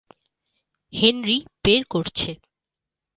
Henry বের করছে।